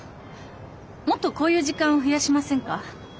もっとこういう時間増やしませんか？